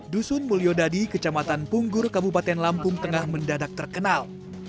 dusun mulyodadi kecamatan punggur kabupaten lampung tengah mendadak terkenal